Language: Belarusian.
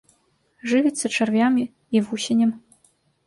Жывіцца чарвямі і вусенем.